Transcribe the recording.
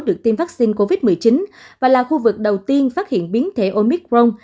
được tiêm vaccine covid một mươi chín và là khu vực đầu tiên phát hiện biến thể omicron